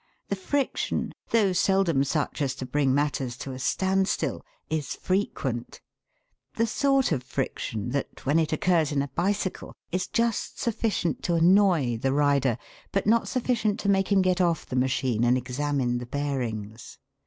The friction, though seldom such as to bring matters to a standstill, is frequent the sort of friction that, when it occurs in a bicycle, is just sufficient to annoy the rider, but not sufficient to make him get off the machine and examine the bearings.